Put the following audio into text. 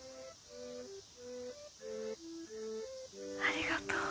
ありがとう。